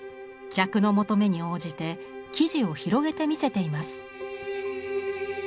客の求めに応じて生地を広げて見せています。